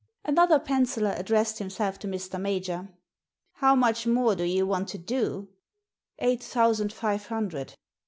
Another penciller addressed himself to Mr. Major. " How much more do you want to do ?"* Eight thousand five hundred."